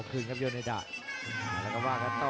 ขับสัดแค่งขวาก่อน